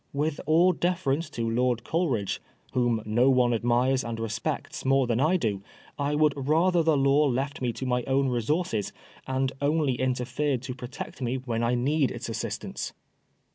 With all deference to Lord Coleridge, whom no one admires and respects more than I do, I would rather the law left me to my own resources, and only interfered to protect me when I need its assistance.